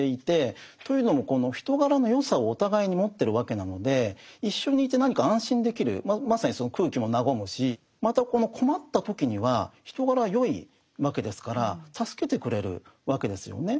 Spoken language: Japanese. というのもこの人柄の善さをお互いに持ってるわけなので一緒にいて何か安心できるまさにその空気も和むしまたこの困った時には人柄は善いわけですから助けてくれるわけですよね。